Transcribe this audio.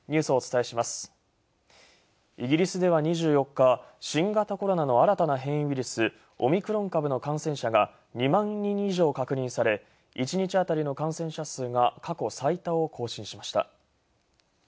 イギリスでは２４日、新型コロナの新たな変異ウイルス「オミクロン株」の感染者が２万人以上確認され１日当たりの感染者数が過去最多を更新しました。